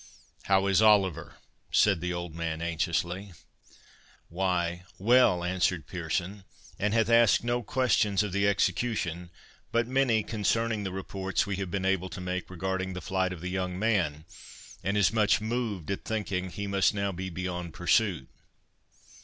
"How is Oliver?" said the old man, anxiously. "Why, well," answered Pearson, "and hath asked no questions of the execution, but many concerning the reports we have been able to make regarding the flight of the young Man, and is much moved at thinking he must now be beyond pursuit.